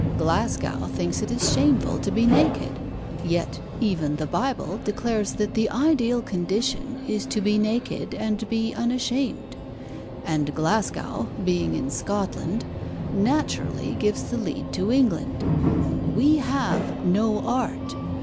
Glasgow thinks it is shameful to be naked; yet even the Bible declares that the ideal condition is to be naked and unashamed; and Glasgow, being in Scotland, naturally gives the lead to England. We have no art.